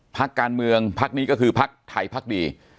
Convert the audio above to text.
พักการเมืองพักนี้ก็คือพักไทยพักดี